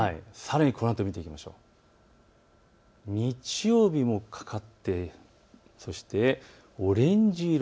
日曜日もかかってオレンジ色。